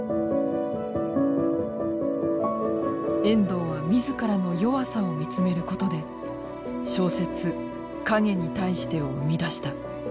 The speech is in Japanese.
遠藤は自らの弱さを見つめることで小説「影に対して」を生み出した。